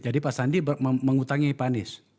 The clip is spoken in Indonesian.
jadi pak sandi mengutangi pak anies